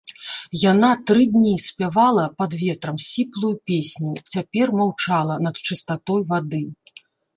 Яна тры дні спявала пад ветрам сіплую песню, цяпер маўчала над чыстатой вады.